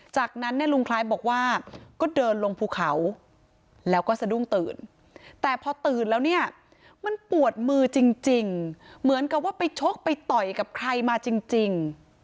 จากนั้นเนี่ยลุงคล้ายบอกว่าก็เดินลงภูเขาแล้วก็สะดุ้งตื่นแต่พอตื่นแล้วเนี่ยมันปวดมือจริงเหมือนกับว่าไปชกไปต่อยกับใครมาจริง